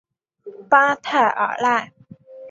巴泰尔奈。